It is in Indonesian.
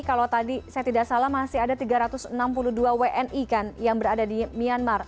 kalau tadi saya tidak salah masih ada tiga ratus enam puluh dua wni kan yang berada di myanmar